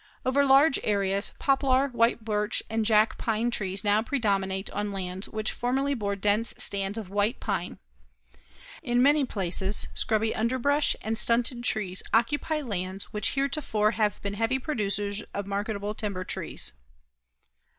Over large areas, poplar, white birch, and Jack pine trees now predominate on lands which formerly bore dense stands of white pine. In many places, scrubby underbrush and stunted trees occupy lands which heretofore have been heavy producers of marketable timber trees.